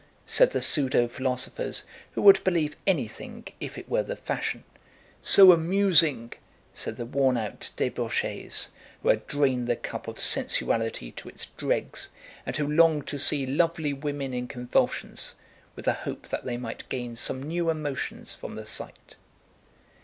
_" said the pseudo philosophers, who would believe anything if it were the fashion; "So amusing!" said the worn out debauchés, who had drained the cup of sensuality to its dregs, and who longed to see lovely women in convulsions, with the hope that they might gain some new emotions from the sight.